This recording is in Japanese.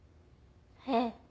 ええ。